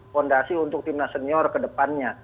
fondasi untuk tim nasional ke depannya